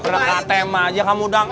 saya nggak pernah kata emak aja kamu dang